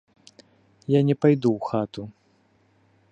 Я не пайду ў хату.